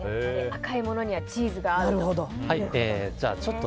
赤いものにはチーズが合うと。